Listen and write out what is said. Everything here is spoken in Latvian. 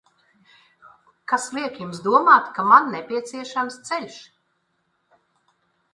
Kas liek Jums domāt, ka man nepieciešams ceļš?